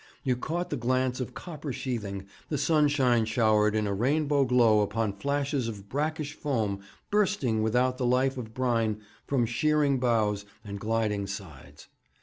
You caught the glance of copper sheathing, the sunshine showered in a rainbow glow upon flashes of brackish foam bursting without the life of brine from shearing bows and gliding sides.